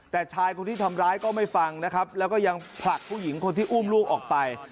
แต่ชายคนที่ทำร้ายก็ไม่ฟังนะครับแล้วก็ยังผลักผู้หญิงคนที่อุ้มลูกออกไป